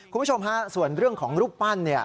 คุณผู้ชมฮะส่วนเรื่องของรูปปั้น